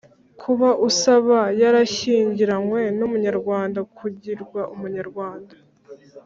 kuba usaba yarashyingiranywe n’umunyarwanda, kugirwa umunyarwanda,